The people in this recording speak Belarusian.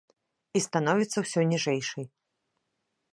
І становіцца ўсё ніжэйшай.